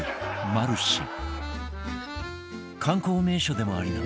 メルシー。